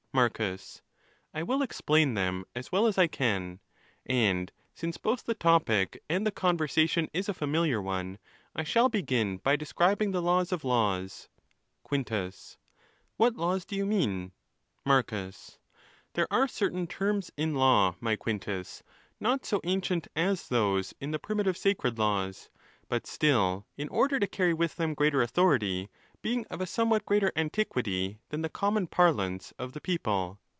Marcus. nel will explain them as well as I can; and since both the topic and the conversation is a familiar « one, I shall begin by describing the laws of laws. Quentus.— What laws do you mean ? Marcus,—There are certain terms in law, my Quintus, not. so ancient as those in the primitive sacred laws, but still, in order to carry with them greater authority, being of a some what greater antiquity than the common parlance of the people.